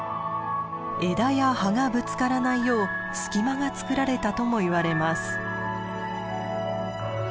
枝や葉がぶつからないよう隙間がつくられたともいわれます。